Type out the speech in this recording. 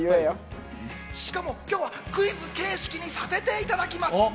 しかも今日はクイズ形式にさせていただきます。